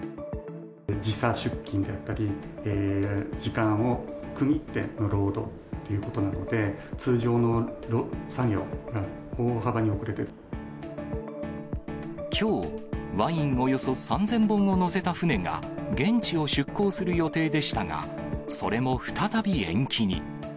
時差出勤であったり、時間を区切っての労働ということなので、きょう、ワインおよそ３０００本を載せた船が、現地を出航する予定でしたが、それも再び延期に。